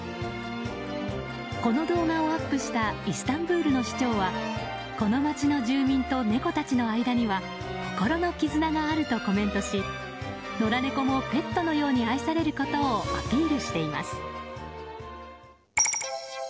この動画をアップしたイスタンブールの市長はこの町の住民と猫たちの間には心の絆があるとコメントし野良猫もペットのように愛されることをアピールしています。